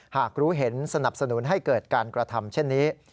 หากรู้เห็นสนับสนุนให้เกิดการกระทำเช่นนี้